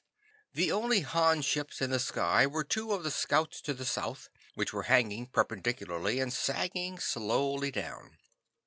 The only Han ships in the sky were two of the scouts to the south which were hanging perpendicularly, and sagging slowly down.